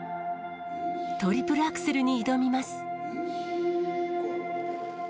トリプルアクセルに挑みます。